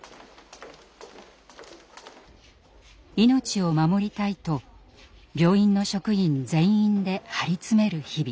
命を守りたいと病院の職員全員で張り詰める日々。